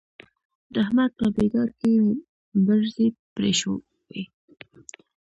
د احمد په بېګار کې مې برځې پرې شوې.